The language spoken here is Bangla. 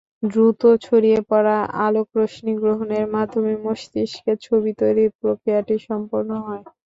দ্রুত ছড়িয়ে পড়া আলোকরশ্মি গ্রহণের মাধ্যমে মস্তিষ্কে ছবি তৈরির প্রক্রিয়াটি সম্পন্ন হয়।